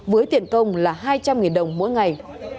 với tiền công là hai trăm linh đồng mỗi ngày